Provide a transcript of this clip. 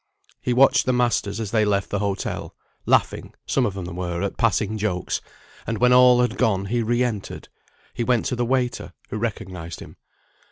He watched the masters as they left the hotel (laughing, some of them were, at passing jokes), and when all had gone, he re entered. He went to the waiter, who recognised him.